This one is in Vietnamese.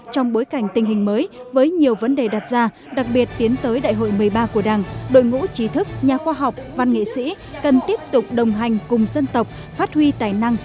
trong bối cảnh tình hình mới với nhiều vấn đề đặt ra đặc biệt tiến tới đại hội một mươi ba của đảng đội ngũ trí thức nhà khoa học văn nghệ sĩ cần tiếp tục đồng hành cùng dân tộc phát huy tài năng